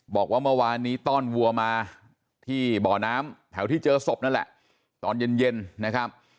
บอกว่าเมื่อวานนี้ต้อนวัวมาที่บ่อน้ำแถวที่เจอศพนั่นแหละตอนเย็นเย็นนะครับ